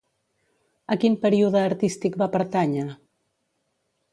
A quin període artístic va pertànyer?